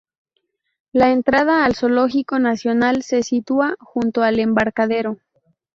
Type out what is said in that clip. La entrada al zoológico nacional se sitúa junto al embarcadero.